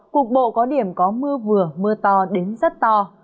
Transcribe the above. cục bộ có điểm có mưa vừa mưa to đến rất to